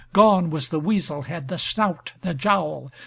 Gone was the weasel head, the snout, the jowl!